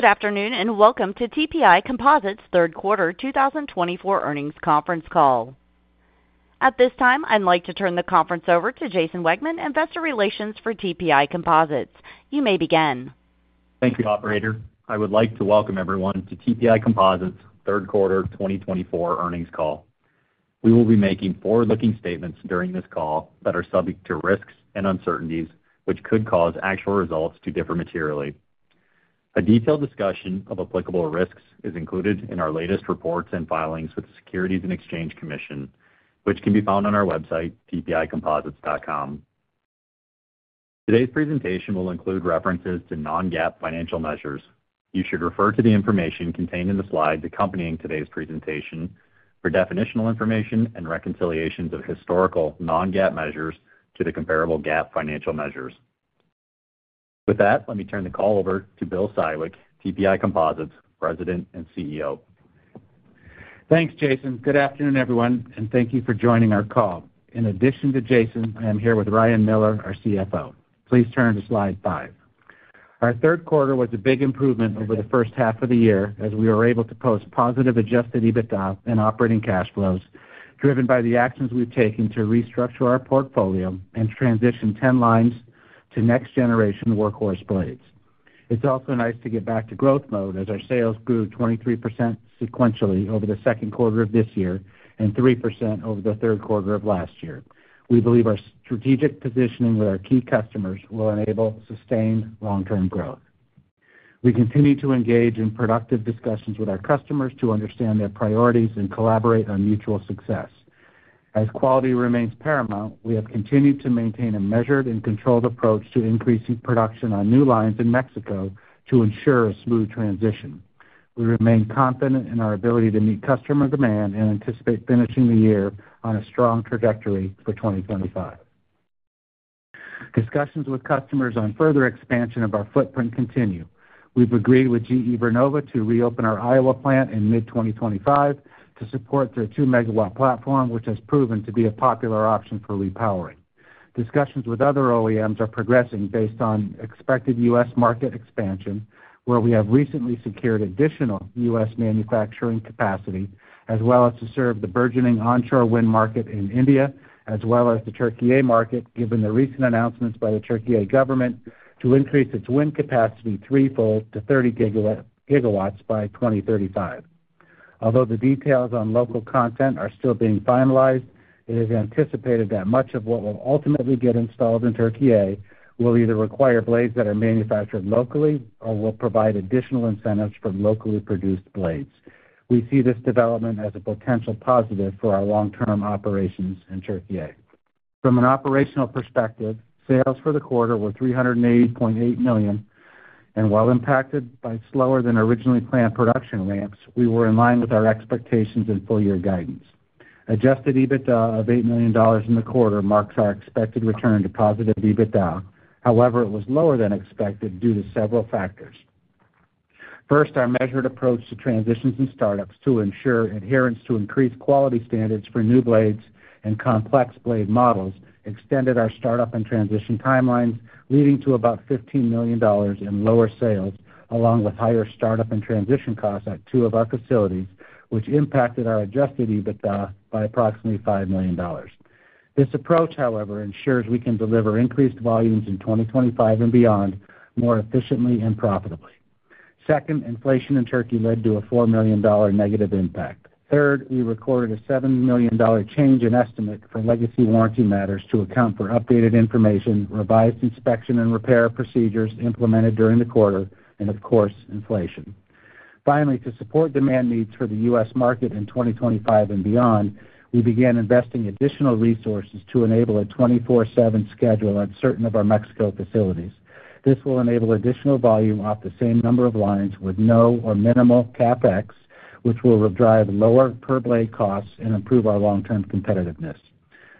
Good afternoon and welcome to TPI Composites' third quarter 2024 earnings conference call. At this time, I'd like to turn the conference over to Jason Wegmann, Investor Relations for TPI Composites. You may begin. Thank you, Operator. I would like to welcome everyone to TPI Composites' third quarter 2024 earnings call. We will be making forward-looking statements during this call that are subject to risks and uncertainties, which could cause actual results to differ materially. A detailed discussion of applicable risks is included in our latest reports and filings with the Securities and Exchange Commission, which can be found on our website, tpicomposites.com. Today's presentation will include references to non-GAAP financial measures. You should refer to the information contained in the slides accompanying today's presentation for definitional information and reconciliations of historical non-GAAP measures to the comparable GAAP financial measures. With that, let me turn the call over to Bill Siwek, TPI Composites' President and CEO. Thanks, Jason. Good afternoon, everyone, and thank you for joining our call. In addition to Jason, I am here with Ryan Miller, our CFO. Please turn to slide five. Our third quarter was a big improvement over the first half of the year as we were able to post positive adjusted EBITDA and operating cash flows driven by the actions we've taken to restructure our portfolio and transition 10 lines to next-generation workhorse blades. It's also nice to get back to growth mode as our sales grew 23% sequentially over the second quarter of this year and 3% over the third quarter of last year. We believe our strategic positioning with our key customers will enable sustained long-term growth. We continue to engage in productive discussions with our customers to understand their priorities and collaborate on mutual success. As quality remains paramount, we have continued to maintain a measured and controlled approach to increasing production on new lines in Mexico to ensure a smooth transition. We remain confident in our ability to meet customer demand and anticipate finishing the year on a strong trajectory for 2025. Discussions with customers on further expansion of our footprint continue. We've agreed with GE Vernova to reopen our Iowa plant in mid-2025 to support their 2-megawatt platform, which has proven to be a popular option for repowering. Discussions with other OEMs are progressing based on expected U.S. market expansion, where we have recently secured additional U.S. manufacturing capacity, as well as to serve the burgeoning onshore wind market in India, as well as the Türkiye market, given the recent announcements by the Türkiye government to increase its wind capacity threefold to 30 gigawatts by 2035. Although the details on local content are still being finalized, it is anticipated that much of what will ultimately get installed in Türkiye will either require blades that are manufactured locally or will provide additional incentives for locally produced blades. We see this development as a potential positive for our long-term operations in Türkiye. From an operational perspective, sales for the quarter were $380.8 million, and while impacted by slower-than-originally-planned production ramps, we were in line with our expectations and full-year guidance. Adjusted EBITDA of $8 million in the quarter marks our expected return to positive EBITDA. However, it was lower than expected due to several factors. First, our measured approach to transitions and startups to ensure adherence to increased quality standards for new blades and complex blade models extended our startup and transition timelines, leading to about $15 million in lower sales, along with higher startup and transition costs at two of our facilities, which impacted our Adjusted EBITDA by approximately $5 million. This approach, however, ensures we can deliver increased volumes in 2025 and beyond more efficiently and profitably. Second, inflation in Turkey led to a $4 million negative impact. Third, we recorded a $7 million change in estimate for legacy warranty matters to account for updated information, revised inspection and repair procedures implemented during the quarter, and, of course, inflation. Finally, to support demand needs for the U.S. market in 2025 and beyond, we began investing additional resources to enable a 24/7 schedule at certain of our Mexico facilities. This will enable additional volume off the same number of lines with no or minimal CapEx, which will drive lower per-blade costs and improve our long-term competitiveness.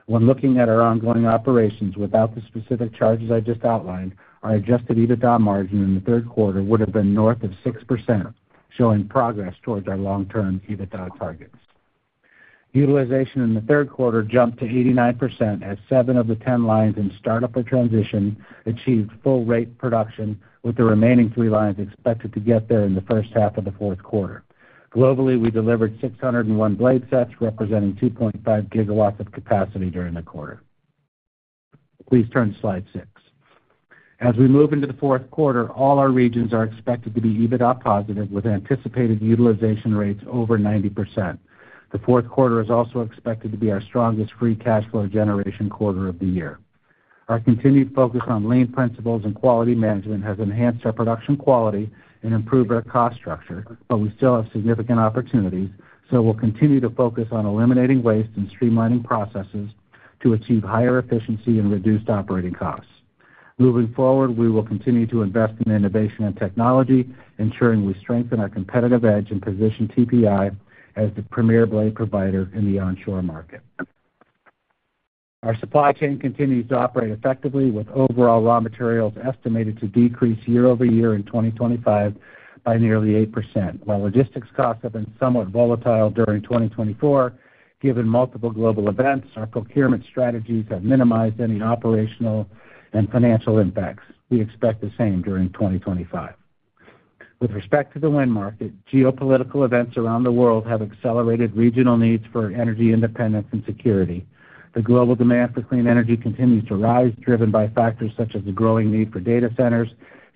When looking at our ongoing operations without the specific charges I just outlined, our adjusted EBITDA margin in the third quarter would have been north of 6%, showing progress towards our long-term EBITDA targets. Utilization in the third quarter jumped to 89% as 7 of the 10 lines in startup or transition achieved full-rate production, with the remaining 3 lines expected to get there in the first half of the fourth quarter. Globally, we delivered 601 blade sets, representing 2.5 gigawatts of capacity during the quarter. Please turn to slide six. As we move into the fourth quarter, all our regions are expected to be EBITDA positive, with anticipated utilization rates over 90%. The fourth quarter is also expected to be our strongest free cash flow generation quarter of the year. Our continued focus on lean principles and quality management has enhanced our production quality and improved our cost structure, but we still have significant opportunities, so we'll continue to focus on eliminating waste and streamlining processes to achieve higher efficiency and reduced operating costs. Moving forward, we will continue to invest in innovation and technology, ensuring we strengthen our competitive edge and position TPI as the premier blade provider in the onshore market. Our supply chain continues to operate effectively, with overall raw materials estimated to decrease year-over-year in 2025 by nearly 8%. While logistics costs have been somewhat volatile during 2024, given multiple global events, our procurement strategies have minimized any operational and financial impacts. We expect the same during 2025. With respect to the wind market, geopolitical events around the world have accelerated regional needs for energy independence and security. The global demand for clean energy continues to rise, driven by factors such as the growing need for data centers,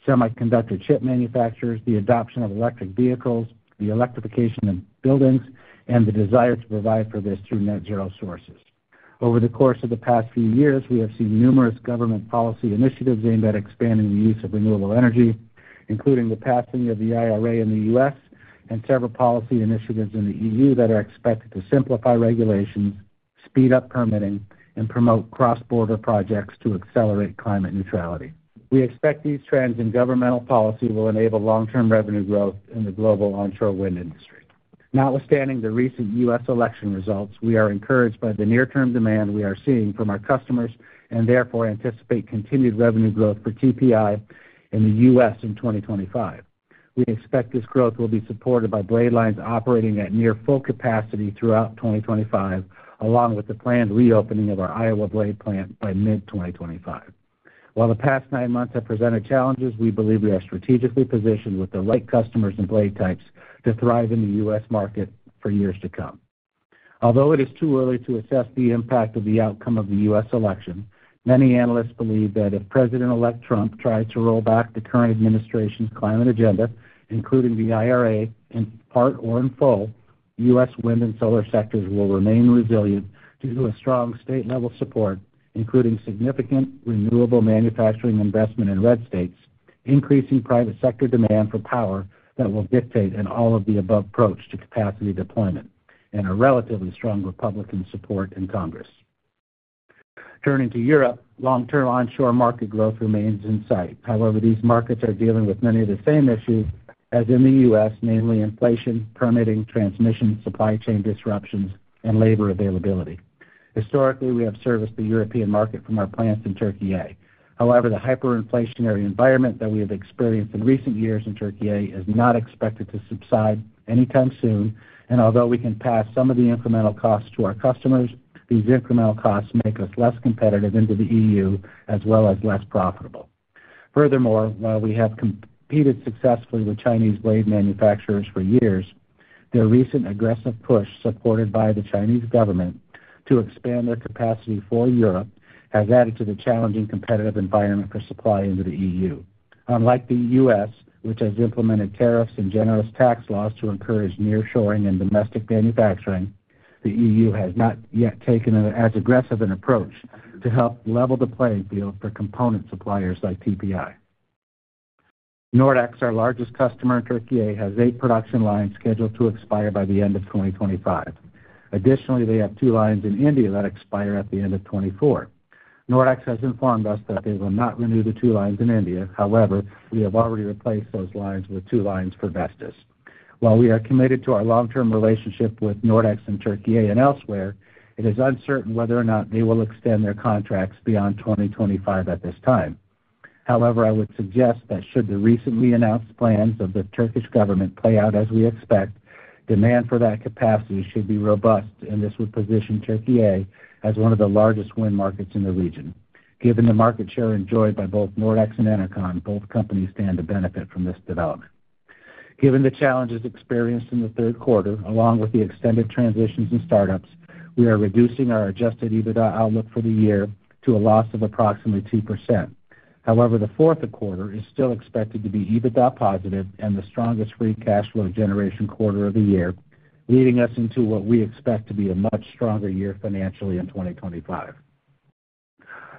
semiconductor chip manufacturers, the adoption of electric vehicles, the electrification of buildings, and the desire to provide for this through net-zero sources. Over the course of the past few years, we have seen numerous government policy initiatives aimed at expanding the use of renewable energy, including the passing of the IRA in the U.S. and several policy initiatives in the EU that are expected to simplify regulations, speed up permitting, and promote cross-border projects to accelerate climate neutrality. We expect these trends in governmental policy will enable long-term revenue growth in the global onshore wind industry. Notwithstanding the recent U.S. election results, we are encouraged by the near-term demand we are seeing from our customers and therefore anticipate continued revenue growth for TPI in the U.S. in 2025. We expect this growth will be supported by blade lines operating at near full capacity throughout 2025, along with the planned reopening of our Iowa blade plant by mid-2025. While the past nine months have presented challenges, we believe we are strategically positioned with the right customers and blade types to thrive in the U.S. market for years to come. Although it is too early to assess the impact of the outcome of the U.S. election, many analysts believe that if President-elect Trump tries to roll back the current administration's climate agenda, including the IRA, in part or in full, U.S. wind and solar sectors will remain resilient due to a strong state-level support. Including significant renewable manufacturing investment in red states, increasing private sector demand for power that will dictate an all-of-the-above approach to capacity deployment, and a relatively strong Republican support in Congress. Turning to Europe, long-term onshore market growth remains in sight. However, these markets are dealing with many of the same issues as in the U.S., namely inflation, permitting, transmission, supply chain disruptions, and labor availability. Historically, we have serviced the European market from our plants in Türkiye. However, the hyperinflationary environment that we have experienced in recent years in Türkiye is not expected to subside anytime soon, and although we can pass some of the incremental costs to our customers, these incremental costs make us less competitive into the EU, as well as less profitable. Furthermore, while we have competed successfully with Chinese blade manufacturers for years, their recent aggressive push, supported by the Chinese government, to expand their capacity for Europe has added to the challenging competitive environment for supply into the EU. Unlike the U.S., which has implemented tariffs and generous tax laws to encourage nearshoring and domestic manufacturing, the EU has not yet taken as aggressive an approach to help level the playing field for component suppliers like TPI. Nordex, our largest customer in Türkiye, has eight production lines scheduled to expire by the end of 2025. Additionally, they have two lines in India that expire at the end of 2024. Nordex has informed us that they will not renew the two lines in India. However, we have already replaced those lines with two lines for Vestas. While we are committed to our long-term relationship with Nordex in Türkiye and elsewhere, it is uncertain whether or not they will extend their contracts beyond 2025 at this time. However, I would suggest that should the recently announced plans of the Turkish government play out as we expect, demand for that capacity should be robust, and this would position Türkiye as one of the largest wind markets in the region. Given the market share enjoyed by both Nordex and Enercon, both companies stand to benefit from this development. Given the challenges experienced in the third quarter, along with the extended transitions and startups, we are reducing our adjusted EBITDA outlook for the year to a loss of approximately 2%. However, the fourth quarter is still expected to be EBITDA positive and the strongest free cash flow generation quarter of the year, leading us into what we expect to be a much stronger year financially in 2025.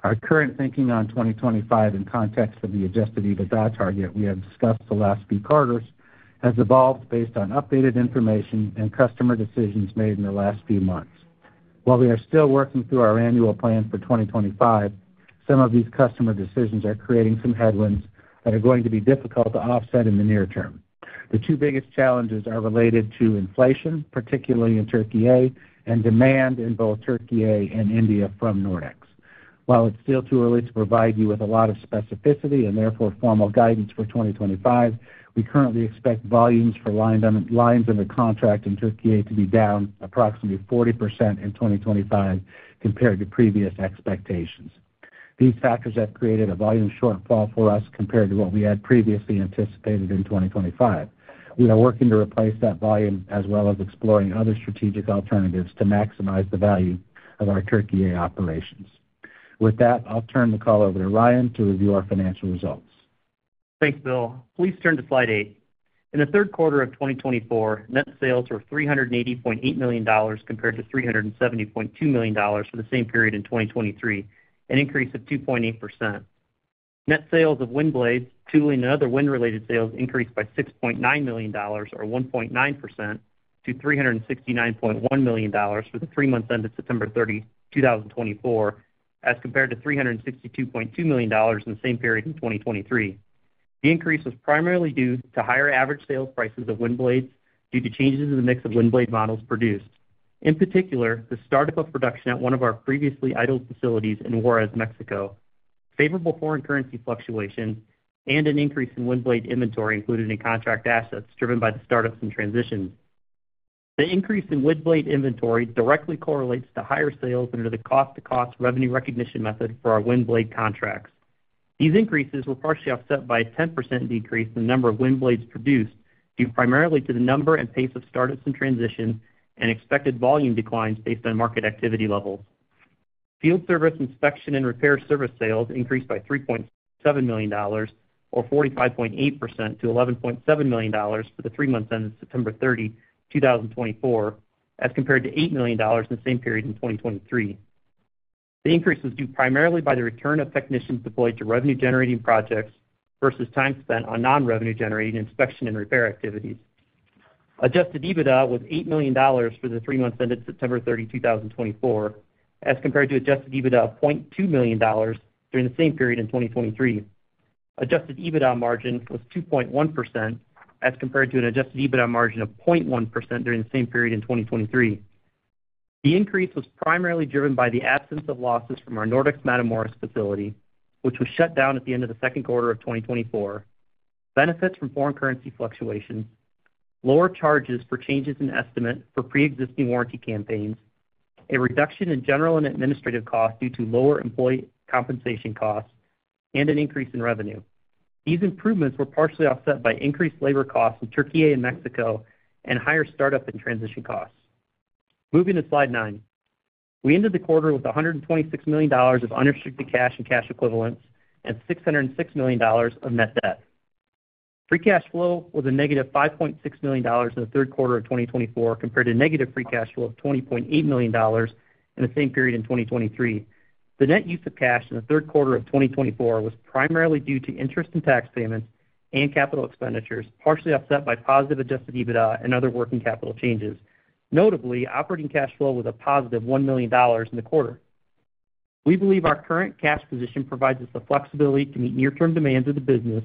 Our current thinking on 2025 in context of the Adjusted EBITDA target we have discussed the last few quarters has evolved based on updated information and customer decisions made in the last few months. While we are still working through our annual plan for 2025, some of these customer decisions are creating some headwinds that are going to be difficult to offset in the near term. The two biggest challenges are related to inflation, particularly in Türkiye, and demand in both Türkiye and India from Nordex. While it's still too early to provide you with a lot of specificity and therefore formal guidance for 2025, we currently expect volumes for lines under contract in Türkiye to be down approximately 40% in 2025 compared to previous expectations. These factors have created a volume shortfall for us compared to what we had previously anticipated in 2025. We are working to replace that volume as well as exploring other strategic alternatives to maximize the value of our Türkiye operations. With that, I'll turn the call over to Ryan to review our financial results. Thanks, Bill. Please turn to slide eight. In the third quarter of 2024, net sales were $380.8 million compared to $370.2 million for the same period in 2023, an increase of 2.8%. Net sales of wind blades, tooling, and other wind-related sales increased by $6.9 million, or 1.9%, to $369.1 million for the three months ended September 30, 2024, as compared to $362.2 million in the same period in 2023. The increase was primarily due to higher average sales prices of wind blades due to changes in the mix of wind blade models produced. In particular, the startup of production at one of our previously idle facilities in Juárez, Mexico, favorable foreign currency fluctuations, and an increase in wind blade inventory included in contract assets driven by the startups and transitions. The increase in wind blade inventory directly correlates to higher sales under the cost-to-cost revenue recognition method for our wind blade contracts. These increases were partially offset by a 10% decrease in the number of wind blades produced due primarily to the number and pace of startups and transitions and expected volume declines based on market activity levels. Field service inspection and repair service sales increased by $3.7 million, or 45.8%, to $11.7 million for the three months ended September 30, 2024, as compared to $8 million in the same period in 2023. The increase was due primarily by the return of technicians deployed to revenue-generating projects versus time spent on non-revenue-generating inspection and repair activities. Adjusted EBITDA was $8 million for the three months ended September 30, 2024, as compared to adjusted EBITDA of $0.2 million during the same period in 2023. Adjusted EBITDA margin was 2.1%, as compared to an adjusted EBITDA margin of 0.1% during the same period in 2023. The increase was primarily driven by the absence of losses from our Nordex Matamoros facility, which was shut down at the end of the second quarter of 2024, benefits from foreign currency fluctuations, lower charges for changes in estimate for pre-existing warranty campaigns, a reduction in general and administrative costs due to lower employee compensation costs, and an increase in revenue. These improvements were partially offset by increased labor costs in Türkiye and Mexico and higher startup and transition costs. Moving to slide nine, we ended the quarter with $126 million of unrestricted cash and cash equivalents and $606 million of net debt. Free cash flow was a negative $5.6 million in the third quarter of 2024 compared to negative free cash flow of $20.8 million in the same period in 2023. The net use of cash in the third quarter of 2024 was primarily due to interest and tax payments and capital expenditures, partially offset by positive adjusted EBITDA and other working capital changes. Notably, operating cash flow was a positive $1 million in the quarter. We believe our current cash position provides us the flexibility to meet near-term demands of the business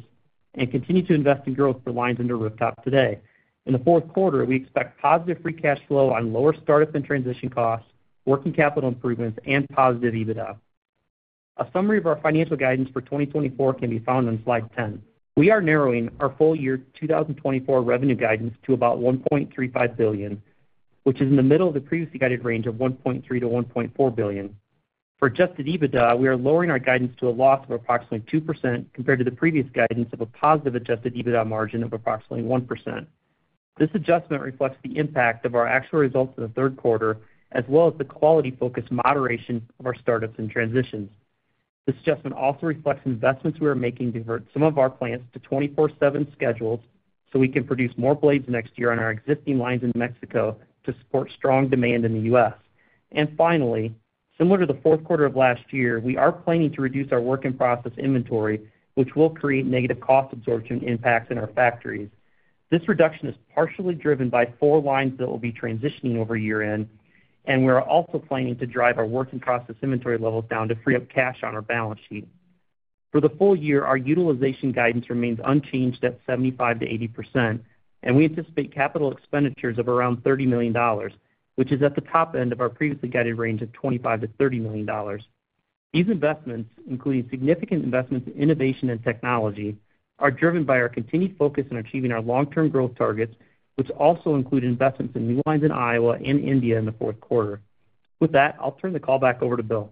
and continue to invest in growth for lines under rooftop today. In the fourth quarter, we expect positive free cash flow on lower startup and transition costs, working capital improvements, and positive EBITDA. A summary of our financial guidance for 2024 can be found on slide 10. We are narrowing our full year 2024 revenue guidance to about $1.35 billion, which is in the middle of the previously guided range of $1.3 billion-$1.4 billion. For Adjusted EBITDA, we are lowering our guidance to a loss of approximately 2% compared to the previous guidance of a positive adjusted EBITDA margin of approximately 1%. This adjustment reflects the impact of our actual results in the third quarter, as well as the quality-focused moderation of our startups and transitions. This adjustment also reflects investments we are making to divert some of our plants to 24/7 schedules so we can produce more blades next year on our existing lines in Mexico to support strong demand in the U.S. And finally, similar to the fourth quarter of last year, we are planning to reduce our work-in-process inventory, which will create negative cost absorption impacts in our factories. This reduction is partially driven by four lines that will be transitioning over year-end, and we are also planning to drive our work-in-process inventory levels down to free up cash on our balance sheet. For the full year, our utilization guidance remains unchanged at 75%-80%, and we anticipate capital expenditures of around $30 million, which is at the top end of our previously guided range of $25 million-$30 million. These investments, including significant investments in innovation and technology, are driven by our continued focus on achieving our long-term growth targets, which also include investments in new lines in Iowa and India in the fourth quarter. With that, I'll turn the call back over to Bill.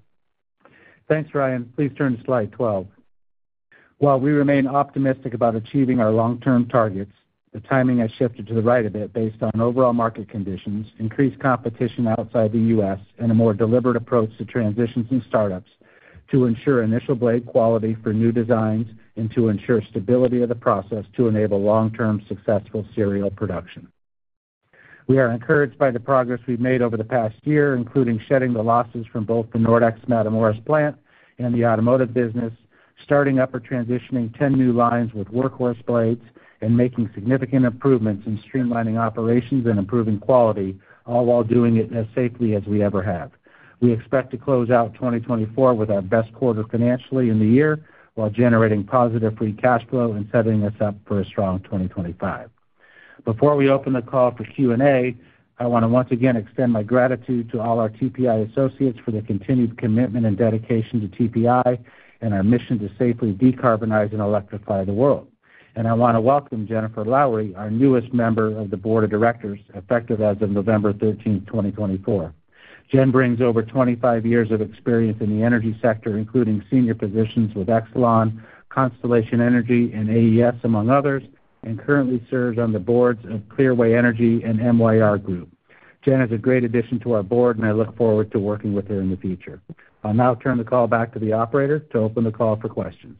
Thanks, Ryan. Please turn to slide 12. While we remain optimistic about achieving our long-term targets, the timing has shifted to the right a bit based on overall market conditions, increased competition outside the U.S., and a more deliberate approach to transitions and startups to ensure initial blade quality for new designs and to ensure stability of the process to enable long-term successful serial production. We are encouraged by the progress we've made over the past year, including shedding the losses from both the Nordex Matamoros plant and the automotive business, starting up or transitioning 10 new lines with workhorse blades, and making significant improvements in streamlining operations and improving quality, all while doing it as safely as we ever have. We expect to close out 2024 with our best quarter financially in the year while generating positive free cash flow and setting us up for a strong 2025. Before we open the call for Q&A, I want to once again extend my gratitude to all our TPI associates for their continued commitment and dedication to TPI and our mission to safely decarbonize and electrify the world. And I want to welcome Jennifer Lowry, our newest member of the Board of Directors, effective as of November 13, 2024. Jen brings over 25 years of experience in the energy sector, including senior positions with Exelon, Constellation Energy, and AES, among others, and currently serves on the boards of Clearway Energy and MYR Group. Jen is a great addition to our board, and I look forward to working with her in the future. I'll now turn the call back to the operator to open the call for questions.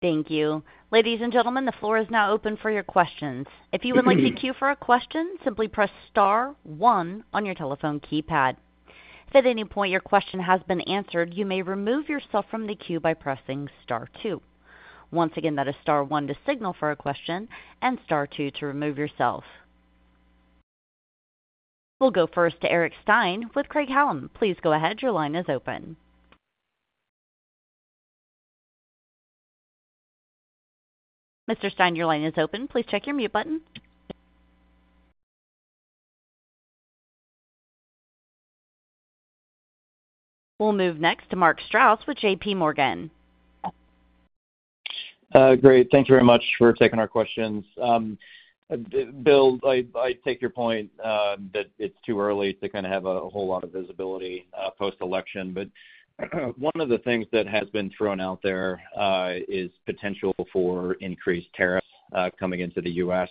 Thank you. Ladies and gentlemen, the floor is now open for your questions. If you would like to queue for a question, simply press Star 1 on your telephone keypad. If at any point your question has been answered, you may remove yourself from the queue by pressing Star 2. Once again, that is Star 1 to signal for a question and Star 2 to remove yourself. We'll go first to Eric Stine with Craig-Hallum. Please go ahead. Your line is open. Mr. Stine, your line is open. Please check your mute button. We'll move next to Mark Strouse with J.P. Morgan. Great. Thank you very much for taking our questions. Bill, I take your point that it's too early to kind of have a whole lot of visibility post-election. But one of the things that has been thrown out there is potential for increased tariffs coming into the U.S.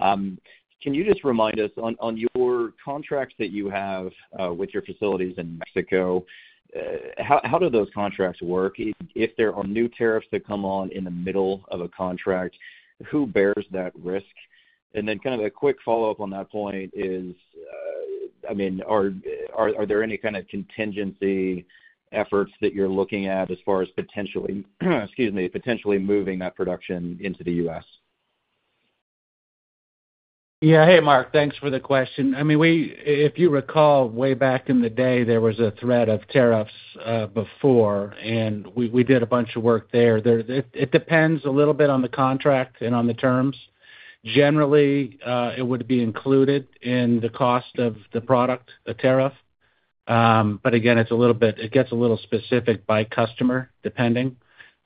Can you just remind us on your contracts that you have with your facilities in Mexico, how do those contracts work? If there are new tariffs that come on in the middle of a contract, who bears that risk? And then kind of a quick follow-up on that point is, I mean, are there any kind of contingency efforts that you're looking at as far as potentially moving that production into the U.S.? Yeah. Hey, Mark, thanks for the question. I mean, if you recall, way back in the day, there was a threat of tariffs before, and we did a bunch of work there. It depends a little bit on the contract and on the terms. Generally, it would be included in the cost of the product, the tariff. But again, it's a little bit. It gets a little specific by customer, depending.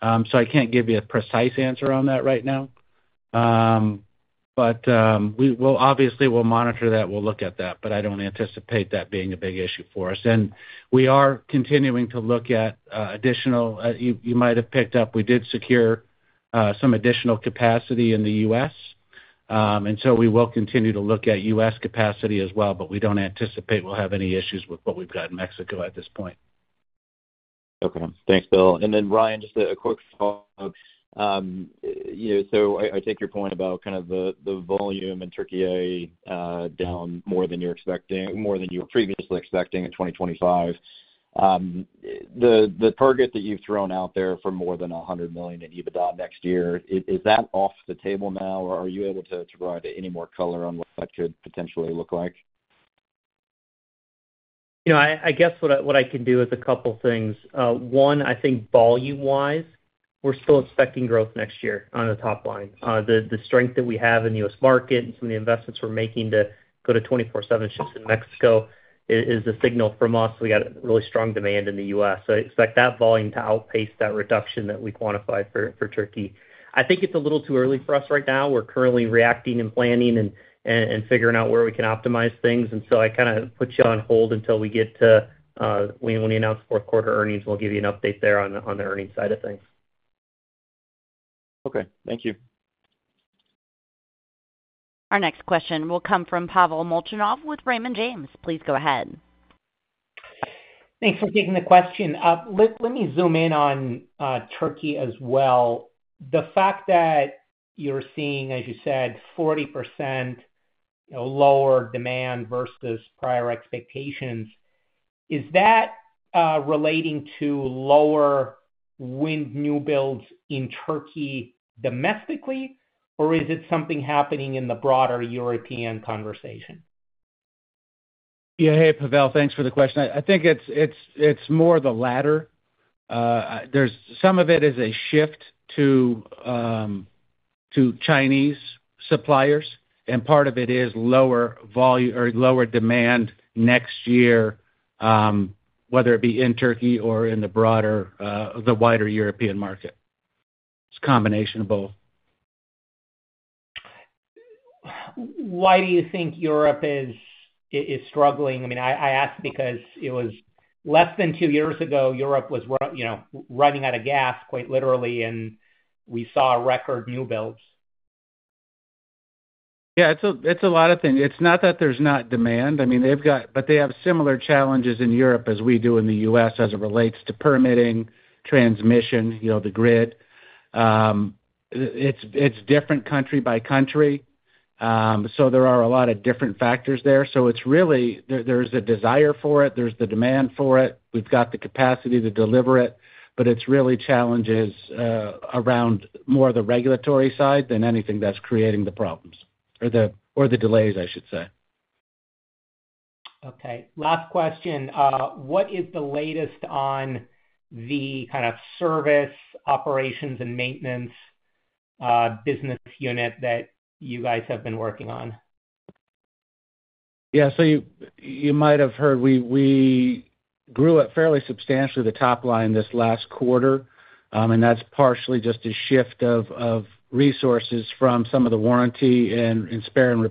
So I can't give you a precise answer on that right now. But obviously, we'll monitor that. We'll look at that. But I don't anticipate that being a big issue for us. And we are continuing to look at additional, you might have picked up. We did secure some additional capacity in the U.S. And so we will continue to look at U.S. capacity as well. But we don't anticipate we'll have any issues with what we've got in Mexico at this point. Okay. Thanks, Bill. And then Ryan, just a quick follow-up. So I take your point about kind of the volume in Türkiye down more than you're expecting, more than you were previously expecting in 2025. The target that you've thrown out there for more than $100 million in EBITDA next year, is that off the table now? Or are you able to provide any more color on what that could potentially look like? I guess what I can do is a couple of things. One, I think volume-wise, we're still expecting growth next year on the top line. The strength that we have in the U.S. market and some of the investments we're making to go to 24/7 shifts in Mexico is a signal from us. We got really strong demand in the U.S. So I expect that volume to outpace that reduction that we quantified for Turkey. I think it's a little too early for us right now. We're currently reacting and planning and figuring out where we can optimize things. And so I kind of put you on hold until we get to when we announce fourth-quarter earnings. We'll give you an update there on the earnings side of things. Okay. Thank you. Our next question will come from Pavel Molchanov with Raymond James. Please go ahead. Thanks for taking the question. Let me zoom in on Turkey as well. The fact that you're seeing, as you said, 40% lower demand versus prior expectations, is that relating to lower wind new builds in Turkey domestically, or is it something happening in the broader European conversation? Yeah. Hey, Pavel. Thanks for the question. I think it's more the latter. Some of it is a shift to Chinese suppliers. And part of it is lower demand next year, whether it be in Turkey or in the wider European market. It's a combination of both. Why do you think Europe is struggling? I mean, I ask because it was less than two years ago, Europe was running out of gas, quite literally, and we saw record new builds. Yeah. It's a lot of things. It's not that there's not demand. I mean, but they have similar challenges in Europe as we do in the U.S. as it relates to permitting, transmission, the grid. It's different country by country. So there are a lot of different factors there. So it's really there's a desire for it. There's the demand for it. We've got the capacity to deliver it. But it's really challenges around more the regulatory side than anything that's creating the problems or the delays, I should say. Okay. Last question. What is the latest on the kind of service, operations, and maintenance business unit that you guys have been working on? Yeah. So you might have heard we grew it fairly substantially, the top line, this last quarter. And that's partially just a shift of resources from some of the warranty and spare and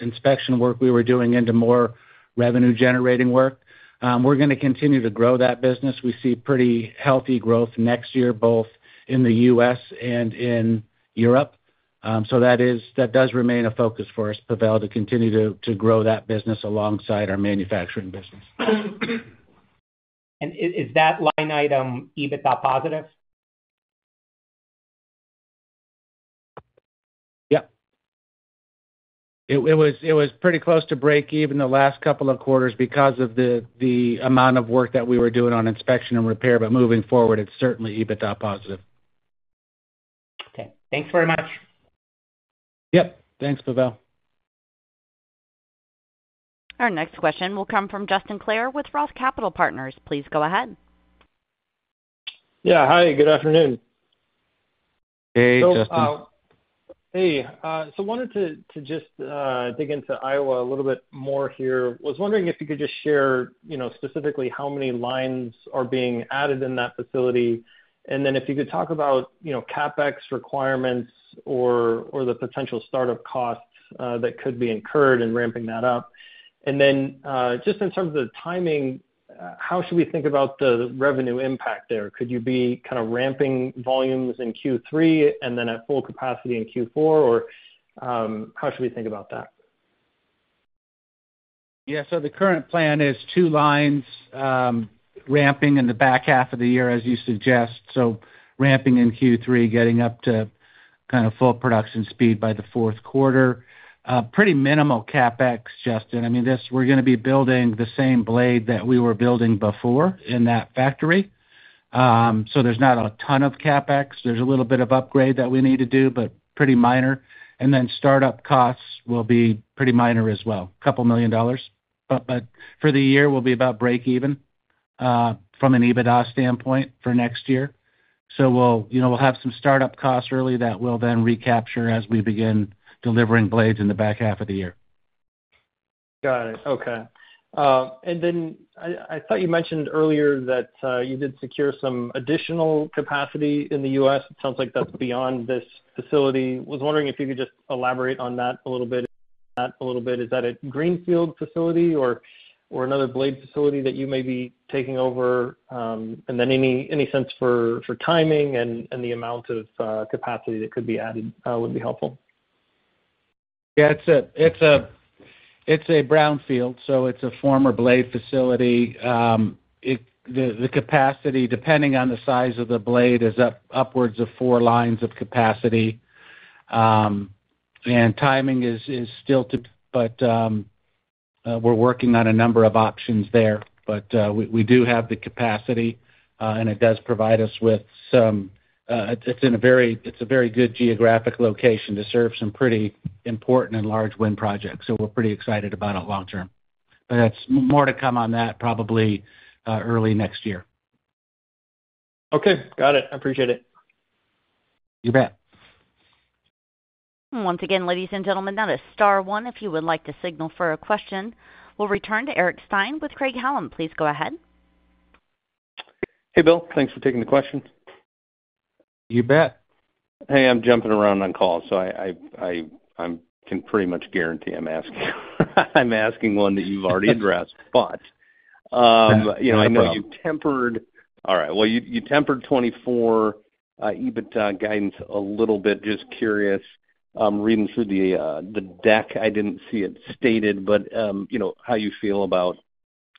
inspection work we were doing into more revenue-generating work. We're going to continue to grow that business. We see pretty healthy growth next year, both in the U.S. and in Europe. So that does remain a focus for us, Pavel, to continue to grow that business alongside our manufacturing business. And is that line item EBITDA positive? Yep. It was pretty close to break even the last couple of quarters because of the amount of work that we were doing on inspection and repair. But moving forward, it's certainly EBITDA positive. Okay. Thanks very much. Yep. Thanks, Pavel. Our next question will come from Justin Clare with Roth Capital Partners. Please go ahead. Yeah. Hi. Good afternoon. Hey, Justin. Hey. So wanted to just dig into Iowa a little bit more here. Was wondering if you could just share specifically how many lines are being added in that facility. And then if you could talk about CapEx requirements or the potential startup costs that could be incurred in ramping that up. And then just in terms of the timing, how should we think about the revenue impact there? Could you be kind of ramping volumes in Q3 and then at full capacity in Q4? Or how should we think about that? Yeah. So the current plan is two lines ramping in the back half of the year, as you suggest. So ramping in Q3, getting up to kind of full production speed by the fourth quarter. Pretty minimal CapEx, Justin. I mean, we're going to be building the same blade that we were building before in that factory. So there's not a ton of CapEx. There's a little bit of upgrade that we need to do, but pretty minor. Startup costs will be pretty minor as well, a couple million dollars. For the year, we'll be about break even from an EBITDA standpoint for next year. We'll have some startup costs early that we'll then recapture as we begin delivering blades in the back half of the year. Got it. Okay. I thought you mentioned earlier that you did secure some additional capacity in the U.S. It sounds like that's beyond this facility. I was wondering if you could just elaborate on that a little bit. Is that a greenfield facility or another blade facility that you may be taking over? Any sense for timing and the amount of capacity that could be added would be helpful. Yeah. It's a brownfield. So it's a former blade facility. The capacity, depending on the size of the blade, is upwards of four lines of capacity. Timing is still. We're working on a number of options there. We do have the capacity. It does provide us with some. It's a very good geographic location to serve some pretty important and large wind projects. We're pretty excited about it long term. It's more to come on that probably early next year. Okay. Got it. I appreciate it. You bet. Once again, ladies and gentlemen, that is Star 1 if you would like to signal for a question. We'll return to Eric Stine with Craig-Hallum. Please go ahead. Hey, Bill. Thanks for taking the question. You bet. Hey, I'm jumping around on call. I can pretty much guarantee I'm asking one that you've already addressed. I know you tempered all right. You tempered 2024 EBITDA guidance a little bit. Just curious. Reading through the deck, I didn't see it stated. But how you feel about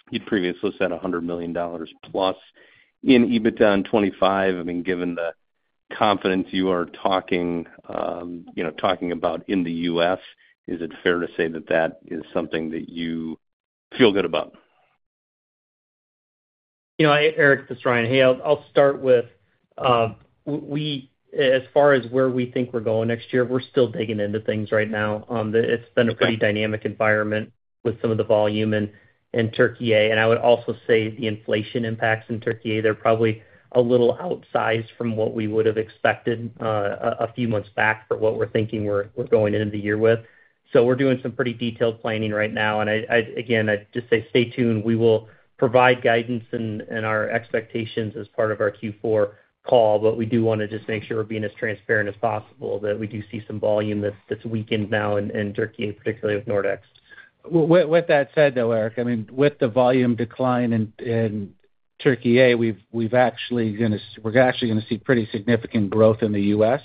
you'd previously said $100 million plus in EBITDA in 2025. I mean, given the confidence you are talking about in the U.S., is it fair to say that that is something that you feel good about? Hey, Eric. This is Ryan. Hey, I'll start with as far as where we think we're going next year, we're still digging into things right now. It's been a pretty dynamic environment with some of the volume in Türkiye. And I would also say the inflation impacts in Türkiye, they're probably a little outsized from what we would have expected a few months back for what we're thinking we're going into the year with. So we're doing some pretty detailed planning right now. And again, I'd just say stay tuned. We will provide guidance and our expectations as part of our Q4 call. But we do want to just make sure we're being as transparent as possible that we do see some volume that's weakened now in Türkiye, particularly with Nordex. With that said, though, Eric, I mean, with the volume decline in Türkiye, we're actually going to see pretty significant growth in the U.S.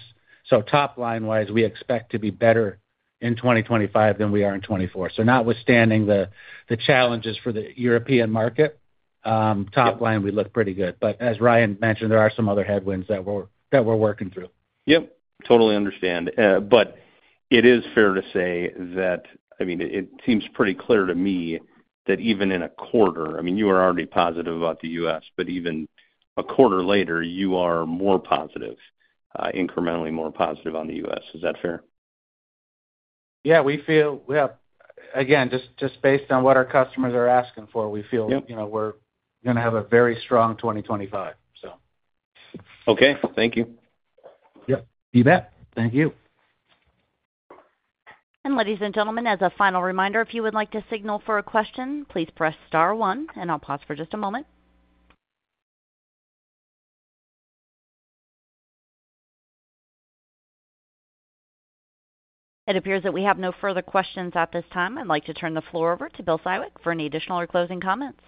So top line-wise, we expect to be better in 2025 than we are in 2024. So notwithstanding the challenges for the European market, top line, we look pretty good. But as Ryan mentioned, there are some other headwinds that we're working through. Yep. Totally understand. But it is fair to say that, I mean, it seems pretty clear to me that even in a quarter I mean, you were already positive about the U.S. But even a quarter later, you are more positive, incrementally more positive on the U.S. Is that fair? Yeah. Again, just based on what our customers are asking for, we feel we're going to have a very strong 2025, so. Okay. Thank you. Yep. You bet. Thank you. And ladies and gentlemen, as a final reminder, if you would like to signal for a question, please press Star 1. And I'll pause for just a moment. It appears that we have no further questions at this time. I'd like to turn the floor over to Bill Siwek for any additional or closing comments.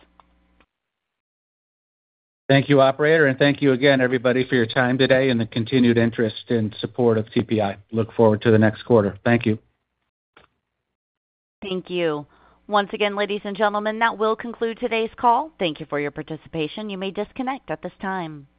Thank you, operator. And thank you again, everybody, for your time today and the continued interest and support of TPI. Look forward to the next quarter. Thank you. Thank you. Once again, ladies and gentlemen, that will conclude today's call. Thank you for your participation. You may disconnect at this time.